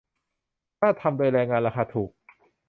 ถ้าทำโดยแรงงานราคาถูก ?